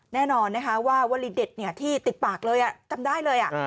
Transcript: แน่นอนว่าวลีเด็ดที่ติดปากเลยอ่ะจำได้เลยอ่ะ